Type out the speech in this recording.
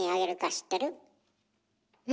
え？